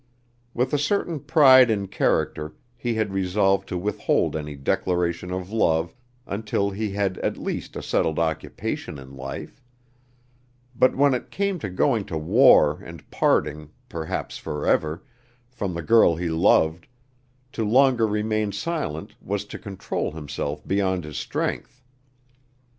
With a certain pride in character he had resolved to withhold any declaration of love until he had at least a settled occupation in life; but when it came to going to war and parting, perhaps forever, from the girl he loved, to longer remain silent was to control himself beyond his strength.